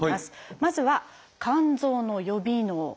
まずは肝臓の予備能。